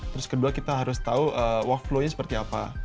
terus kedua kita harus tahu workflow nya seperti apa